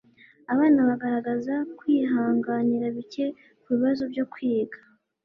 abana bagaragaza kwihanganira bike kubibazo byo kwiga